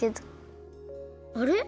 あれ？